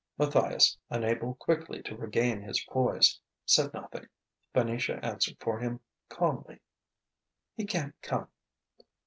Matthias, unable quickly to regain his poise, said nothing. Venetia answered for him, calmly: "He can't come."